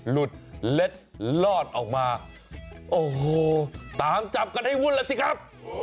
หลุดเล็ดลอดออกมาโอ้โหตามจับกันให้วุ่นแล้วสิครับ